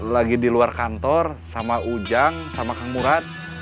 lagi di luar kantor sama ujang sama kang murad